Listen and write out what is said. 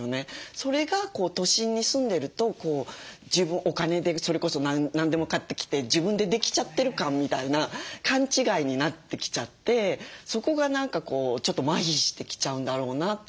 それが都心に住んでるとお金でそれこそ何でも買ってきて自分でできちゃってる感みたいな勘違いになってきちゃってそこが何かちょっとまひしてきちゃうんだろうなっていう。